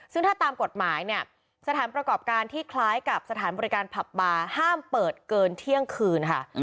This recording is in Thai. ซึ่งถ้าตามกฎหมายเนี่ยสถานประกอบการที่คล้ายกับสถานบริการผับบาร์ห้ามเปิดเกินเที่ยงคืนค่ะ